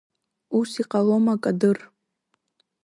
Ус иҟалома, Кадыр!